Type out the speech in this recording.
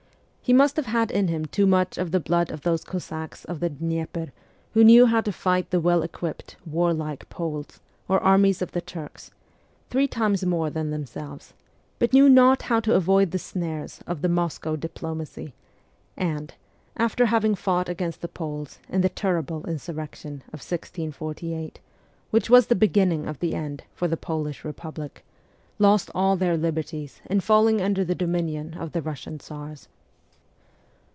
He must have had in him too much of the blood of those Cossacks of the Dnyeper, who knew how to fight the well equipped, warlike Poles or armies of the Turks, three times more than themselves, but knew not how to avoid the snares of the Moscow diplomacy, and, after having fought against the Poles in the ter rible insurrection of 1648, which was the beginning of the end for the Polish republic, lost all their liberties in falling under the dominion of the Eussian Tsars.